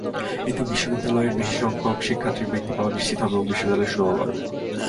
এতে বিদ্যালয়ের বেশিসংখ্যক শিক্ষার্থীর বৃত্তি পাওয়া নিশ্চিত হবে এবং বিদ্যালয়ের সুনামও বাড়বে।